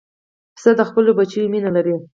پسه د خپلو بچیو مینه لري.